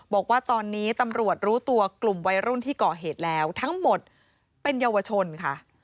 บอกว่าตอนนี้ตำรวจรู้ตัวกลุ่มวัยรุ่นที่ก่อเหตุแล้วทั้งหมดเป็นเยาวชนค่ะ